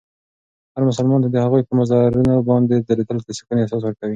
هر مسلمان ته د هغوی په مزارونو باندې درېدل د سکون احساس ورکوي.